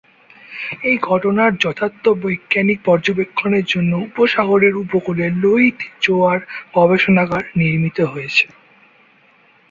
এই ঘটনার যথার্থ বৈজ্ঞানিক পর্যবেক্ষণের জন্য উপসাগরের উপকূলে লোহিত জোয়ার গবেষণাগার নির্মিত হয়েছে।